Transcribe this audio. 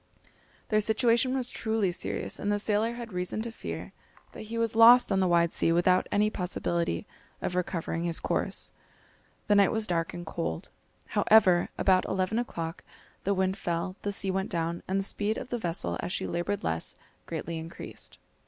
Their situation was truly serious, and the sailor had reason to fear that he was lost on the wide sea without any possibility of recovering his course. The night was dark and cold. However, about eleven o'clock, the wind fell, the sea went down, and the speed of the vessel, as she laboured less, greatly increased.